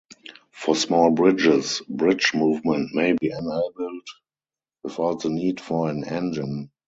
For small bridges, bridge movement may be enabled without the need for an engine.